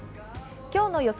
今日の予想